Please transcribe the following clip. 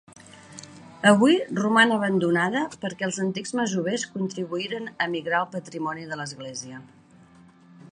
Avui roman abandonada perquè els antics masovers contribuïren a migrar el patrimoni de l'església.